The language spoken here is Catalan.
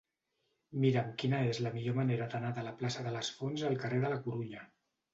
Mira'm quina és la millor manera d'anar de la plaça de les Fonts al carrer de la Corunya.